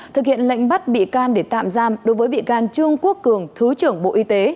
thực hiện lệnh bắt bị can để tạm giam đối với bị can trương quốc cường thứ trưởng bộ y tế